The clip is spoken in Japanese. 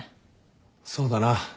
そうだな。